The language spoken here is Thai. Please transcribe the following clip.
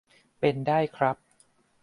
เป็นได้ครับ